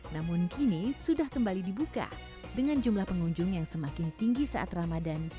namun kini sudah kembali dibuka dengan jumlah pengunjung yang semakin tinggi saat ramadan